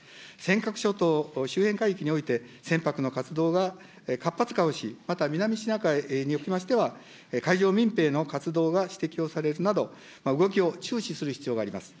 尖閣諸島周辺海域において、船舶の活動が活発化をし、また南シナ海におきましては、海上民兵の活動が指摘をされるなど、動きを注視する必要があります。